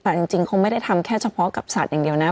แต่จริงเขาไม่ได้ทำแค่เฉพาะกับสัตว์อย่างเดียวนะ